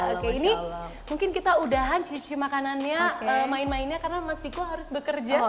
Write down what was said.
oke ini mungkin kita udahan cip cip makanannya main mainnya karena mas ciko harus bekerja